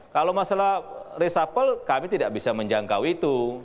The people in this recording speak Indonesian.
kalau masalah resapel kami tidak bisa menjangkau itu